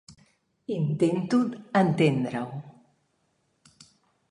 Intento entendre-ho.